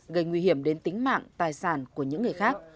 gây nguy hiểm đến tính mạng tài sản của những người khác